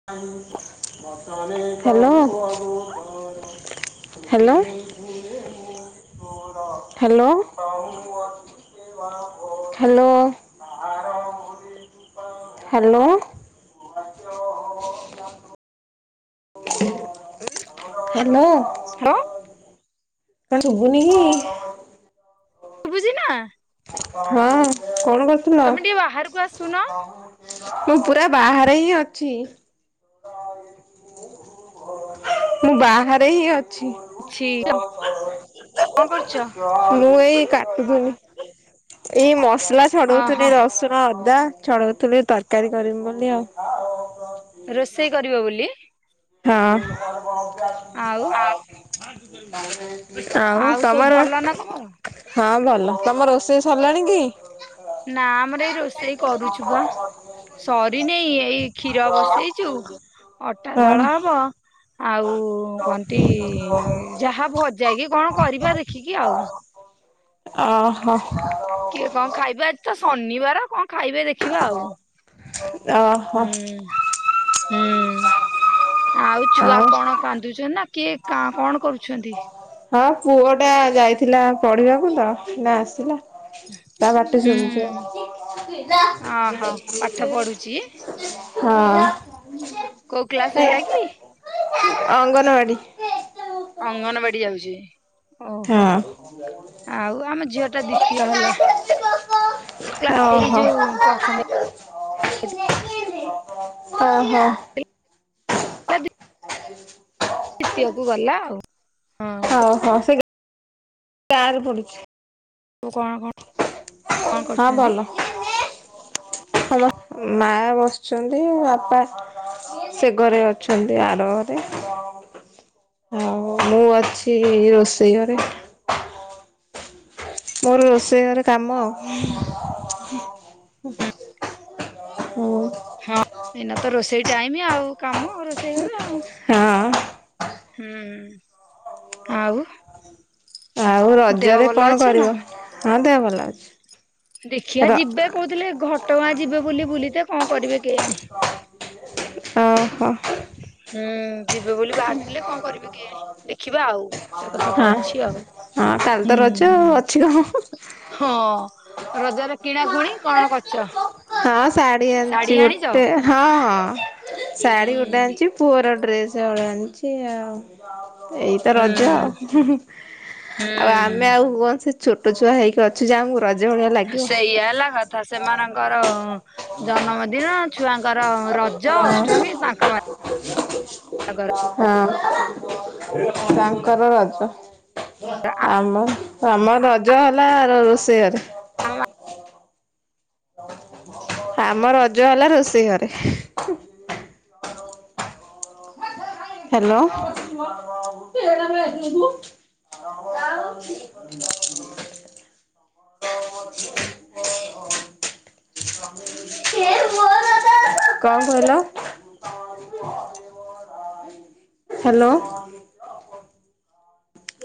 Hello. Hello hello. Hello hello. [unintelligible] Hello. ହା ଓ। କଣ ସୁବୁନିକି। ସୁବୁଚିନା। ହଁ, କଣ କରୁଥିଲ? ତମେ ଟିକେ ବାହାରକୁ ଆସୁନ ମୁଁ ପୁରା ବାହାରେ ହିଁ ଅଛି। ମୁଁ ବାହାରେ ହିଁ ଅଛି। ଅଛି କଣ କରୁଛ ମୁଁ ଏଇ କାଟୁଥିନି ଏଇ ମସଲା ଛଡଉଥିନି ଅହଁ ରସୁ ସୁଣ, ଅଦା ଛଡ଼ଉଥିଲି ତରକାରୀ କରିମି ବୋଲି ଆଉ। ରୋଷେଇ କରିବ ବୋଲି। ହଁ। ଆଉ [unintelligible] ଆଉ ସବୁ ତମର? ଭଲ ନା ତମର? ହଁ ଭଲ। ତମ ରୋଷେଇ ସରିଲାଣି କି? ନା ଆମର ଏଇ ରୋଷେଇ କରୁଛୁ ବା। ସରିନେଇ ଏଇ କ୍ଷୀର ବସେଇଛୁ। ଅଟା ଦଳ ହଁ। ହବ। ଆଉ କଅନ୍ତି ଯାହା ଭଜା କି କଣ କରିବା ଦେଖିକି ଆଉ। ଓହୋ। କିଏ କଣ ଖାଇବେ ଆଜି ତ ଶନିବାର କଣ ଖାଇବେ ଦେ ଦେଖିବା ଆଉ। ଓହୋ ହୁ ହୁଁ ଆଉ ଛୁଆ କଣ କାନ୍ଦୁଛନ୍ତି ନା କିଏ କା କଣ କରୁଛନ୍ତି? ହଁ ପୁଅ ଟା ଯାଇଥିଲା ପଢିବାକୁ ତ ନା ଆସିଲା। ତା ପାଟି ଶୁବୁଚି। ହୁଁ ଓହୋ ପାଠ ପଢୁଛି [unintelligible] ହଁ। କୋଉ କ୍ଲାସ ହେଲା କି? ଅଙ୍ଗନବାଡ଼ି। ଅଙ୍ଗନବାଡି ଯାଉଛି। ଓହୋ ଥାଉ ଆଉ ଆମ ଝିଅ ଟା ଦ୍ଵିତୀୟ [unintelligible] ହେଲା ପୋକ କ୍ଲା ଏଇ ଯୋଉ ପ୍ରଥମେ ଓ ହୋ। ଓହୋ। ଦିତୀୟକୁ ଗଲା ଆଉ। ଓ ହଁ ସେଇ। ଗାଁରେ ପଡୁଛି। ତୁ କଣ କଣ? କଣ ହଁ ଭଲ। [inaudible] ହଁ ମ ମା ବସିଚନ୍ତି ବାପା ସେ ଘରେ ଅଛନ୍ତି ଆର ଘରେ। ଆଉ ମୁଁ ଅଛି ରୋଷେଇ ଘରେ। ମୋର ରୋଷେଇ ଘରେ କାମ। ହୁଁ। ହଁ ଏଇନା ତ ରୋଷେଇ ଟାଇମ୍ ଆଉ କାମ ରୋଷେଇ ଘରେ ଆଉ। ହଁ। ହୁଁ ଆଉ ଆଉ ଦେହ ରଜରେ ଭଲ କଣ ଅଛି ନା? କରିବ? ହଁ ଦେହ ଭଲ ଅଛି। ଦେଖିଆ ର ଯିବେ କୋହୁଥିଲେ ଘଟଗାଁ ଯିବେ ବୋଲି ବୁଲିତେ କଣ କରିବେ କେଇଆଣି। ଓହୋ ହୁଁ। ଯିବେ ବୋଲି ବାହାରିଥିଲେ କଣ କରିବି କୋଇଆଣି ଦେଖିବା ଆଉ ସେ କଥା ତ ହଁ। ଅଛି ଆଉ। ହଁ କାଲି ତ ହୁଁ ରଜ ଆଉ ଅଛି କଣ? [unintelligible] ହଁ। ରଜରେ କିଣାକୁୁଣି କଣ କରିଚ? ହଁ ଶାଢି ଆଣିଚି ଗୋଟେ। ହଁ ହଁ ହୁଁ ଶାଢୀ ଗୋଟେ ଆଣିଚି। ପୁଅର ଡ୍ରେସ ହଳେ ଆଣିଚି ଆଉ। ଏଇତ ହୁଁ ରଜ ହୁଁ ହୁଁ ଆଉ ଆମେ ହୁଁ ଆଉ କଣ ସେ ଛୋଟ ଛୁଆ ହେଇକି ଅଛୁ ଯେ ଆମକୁ ରଜ ଭଳିଆ ଲା ସେଇୟା ହେଲା କଥା। ସେମାନଙ୍କର ଜନ୍ମଦିନ ଛୁଆଙ୍କର ରଜ, ଅଷ୍ଟମୀ ତାଙ୍କ ମାନ ଙ୍କର [inaudible] ହଁ ତାଙ୍କର ରଜ। ଆମର ଆମର ରଜ ହେଲା ରୋ-ରୋଷେଇ ଘରେ। ହଁ ଆ [unintelligible] ଆମର ରଜ ହେଲା ରୋଷେଇ ଘରେ। ହାଲୋ। [unintelligible] [unintelligible] କଣ କହିଲ? ହ୍ୟାଲୋ।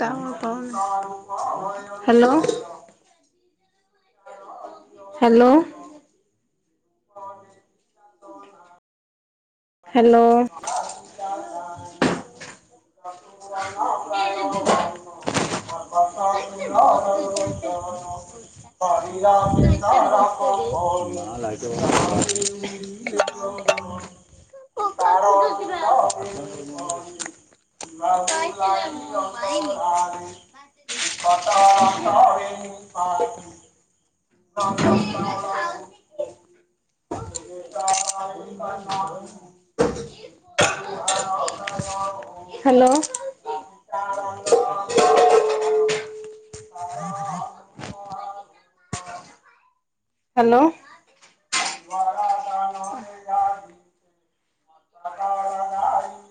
ଟାୱାର ପାଉନି hello. Hello. [unintelligible] Hello. [unintelligible] [unintelligible] [unintelligible] [inaudible] [unintelligible] [unintelligible] [unintelligible] Hello. [unintelligible] Hello. [unintelligible] ଆ ନାଁ [unintelligible]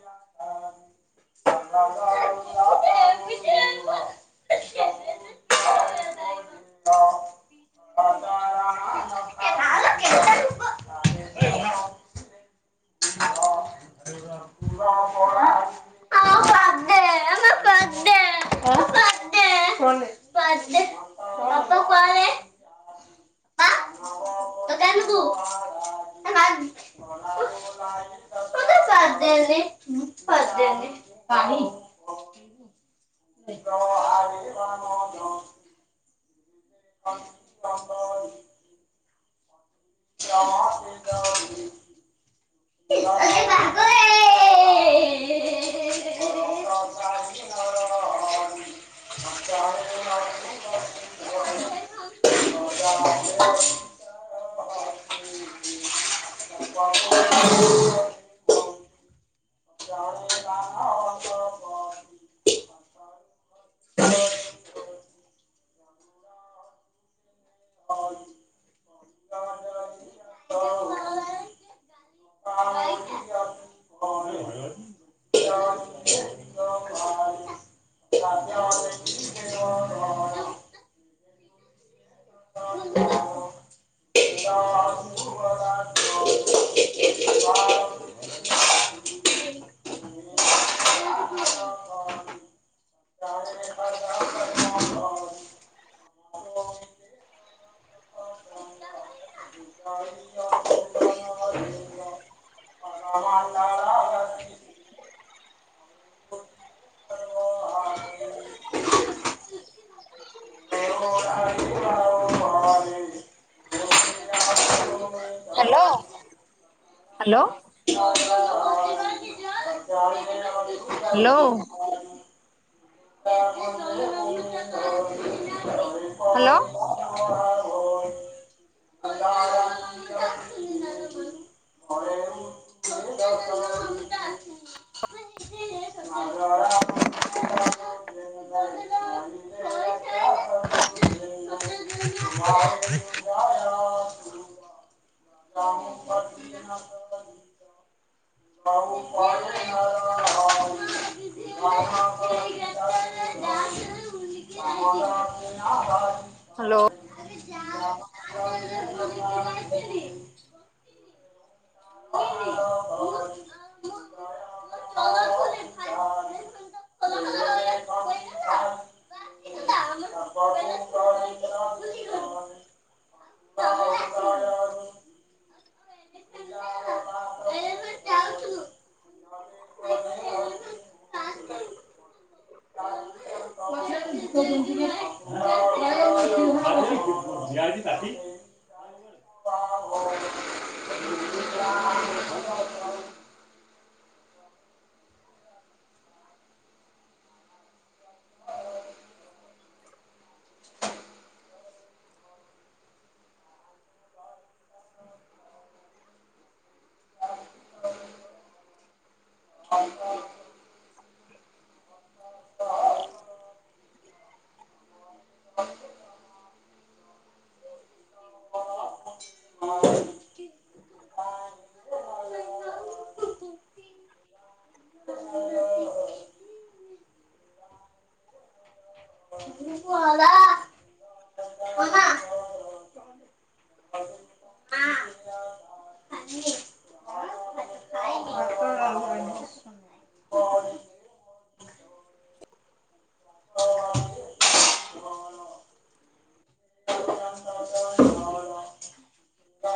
ଆ [unintelligible] ଆ [unintelligible] [unintelligible] କ କେ [unintelligible] ହ ବାଦ [unintelligible] ଆ [unintelligible] ତ କେକୁୁ ଭଙ୍କ [unintelligible] ଫଲେ ଫଦନ୍ତି [unintelligible] କହି ଆରେ [unintelligible] ହ [unintelligible] ଆ ମାସ [unintelligible] ହଁ [unintelligible] ହ [unintelligible] [inaudible] [unintelligible] କାମ ନା ଆପଣଙ୍କ [unintelligible] ହଉଳ୍ପ [unintelligible] ଓ ହ୍ୟାଲୋ ହ୍ୟାଲୋ। ନ ଣ ମ ମ ହ୍ୟାଲୋ। ହ୍ୟାଲୋ। ହ୍ୟାଲୋ। ହ [unintelligible] ହ ିନିନ [inaudible] ହ [unintelligible] ଯାଉଛୁୁ ହ [unintelligible] [inaudible] [inaudible] ହଁ [inaudible] ହଁ [inaudible] କୁହଲା [inaudible]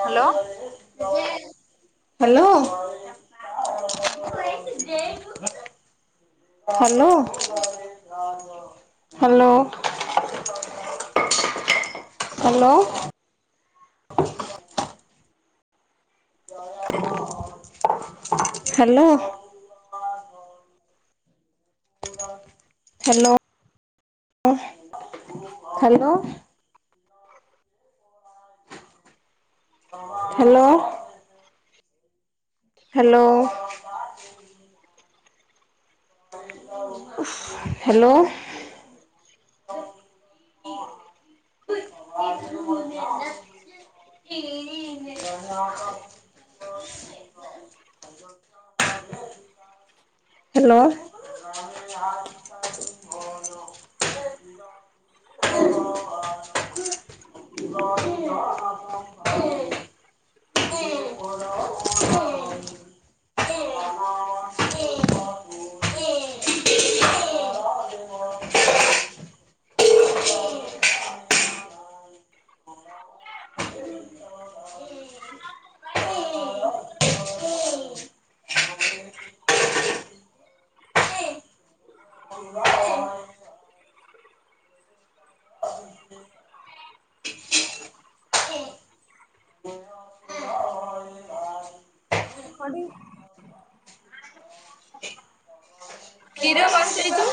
ହ୍ୟାଲୋ। ହ୍ୟାଲୋ। ହଉ ଯ ହ୍ୟାଲୋ। ନଉ hello. Hello. Hello. Hello ଓୁହ [inaudible] hello. Hello. Hello. Hello. [unintelligible] Hello. [unintelligible] ସେ [unintelligible] [unintelligible] ମ [unintelligible] କ୍ଷୀର ବସେଇଛୁ।